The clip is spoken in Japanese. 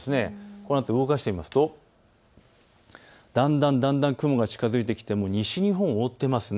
このあと動かしてみますとだんだん、だんだん雲が近づいてきて西日本を覆っています。